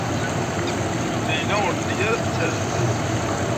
Layla ur telli ara tettarra-d.